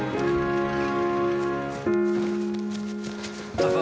パパ。